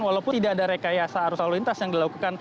walaupun tidak ada rekayasa arus lalu lintas yang dilakukan